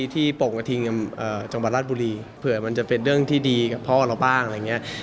ที่โปร่งกระทิงจังหวัดราชบุรีเผื่อมันจะเป็นเรื่องที่ดีกับพ่อเราบ้าง